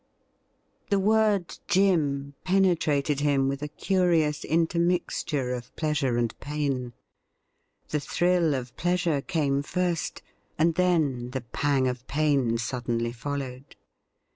The word 'Jim' penetrated him with a curious inter mixture of pleasure and pain. The thrill of pleasure came first, and then the pang of pain suddenly followed.